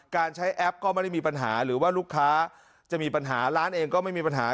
การใช้แอปก็ไม่ได้มีปัญหาหรือว่าลูกค้าจะมีปัญหาร้านเองก็ไม่มีปัญหา